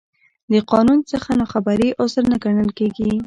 د قانون څخه نا خبري، عذر نه ګڼل کېږي.